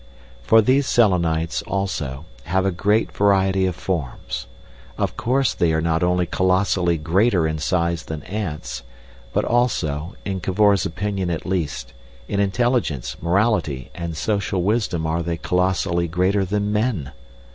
For these Selenites, also, have a great variety of forms. Of course, they are not only colossally greater in size than ants, but also, in Cavor's opinion at least, in intelligence, morality, and social wisdom are they colossally greater than men.